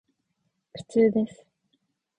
苦痛です。